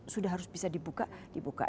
sudah harus bisa dibuka